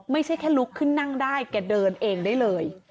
ไม่ใช่แค่ลุกขึ้นนั่งได้แกเดินเองได้เลย